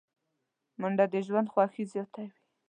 منډه د ژوند خوښي زیاتوي